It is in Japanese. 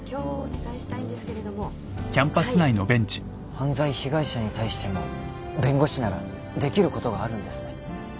犯罪被害者に対しても弁護士ならできることがあるんですね。